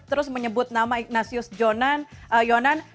terus menyebut nama ignasius yonan